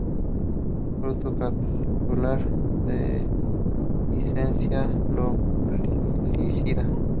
Fruto capsular, dehiscencia loculicida.